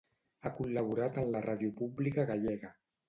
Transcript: Ha col·laborat en la ràdio pública gallega.